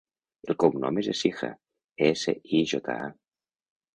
El cognom és Ecija: e, ce, i, jota, a.